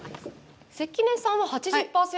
関根さんは８０％。